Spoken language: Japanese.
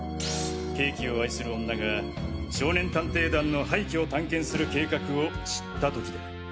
ケーキを愛する女が少年探偵団の廃墟を探検する計画を知った時だ。